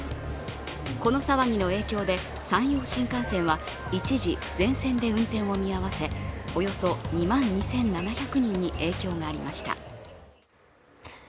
この騒ぎの影響で山陽新幹線は一時、全線で運転を見合せ、およそ２万２７００人に影響がありました。